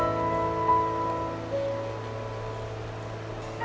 ส่วนหนึ่งก็จะไว้ให้เขาเป็นธุมการศึกษาให้เขาเรียน